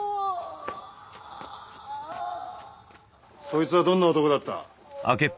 そいつはどんな男だった？